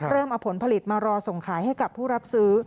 เริ่มเอาผลผลิตมารอส่งขายให้กับผู้รับซื้อ